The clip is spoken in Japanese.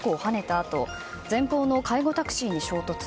あと前方の介護タクシーに衝突。